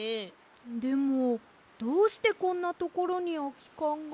でもどうしてこんなところにあきかんが？